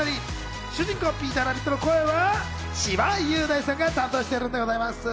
主人公・ピーターラビットの声は千葉雄大さんが担当してるんでございます。